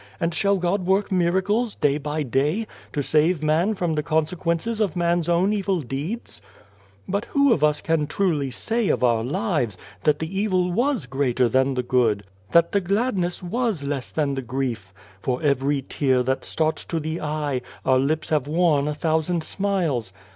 And shall God work miracles, day by day, to save man from the consequences of man's own evil deeds ?" But who of us can truly say of our lives, that the evil was greater than the good ? that the gladness was less than the grief? For every tear that starts to the eye, our lips have worn a thousand smiles.